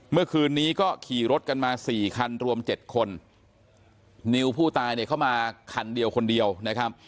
เมื่อคืนนี้ก็ขี่รถกันมาสี่คันรวมเจ็ดคนนิวผู้ตายเนี่ยเข้ามาคันเดียวคนเดียวนะครับ